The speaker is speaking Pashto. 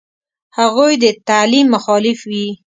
هغوی دې د تعلیم مخالف وي.